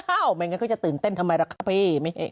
อ้าวไม่งั้นก็จะตื่นเต้นทำไมล่ะครับพี่